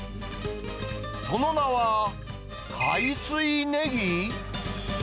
その名は、海水ねぎ？